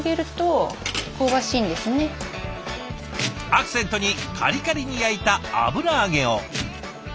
アクセントにカリカリに焼いた油揚げを。